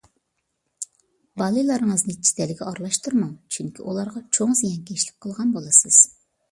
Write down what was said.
بالىلىرىڭىزنى جېدەلگە ئارىلاشتۇرماڭ! چۈنكى، ئۇلارغا چوڭ زىيانكەشلىك قىلغان بولىسىز.